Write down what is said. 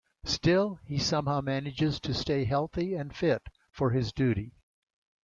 Still he somehow manages to stay healthy and fit for his duty.